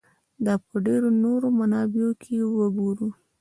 دا په ډېرو نورو منابعو کې وګورو.